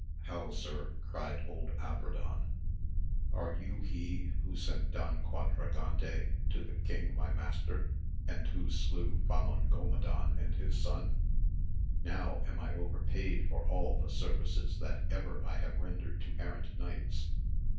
How, sir, cried old Abradan, are you he who sent Don Quadragante to the king my master, and who slew Famongomadan and his son ! Now am I overpaid for all the services that ever I have rendered to errant knights.